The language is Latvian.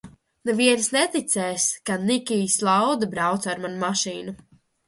Neviens neticēs, ka Nikijs Lauda brauca ar manu mašīnu!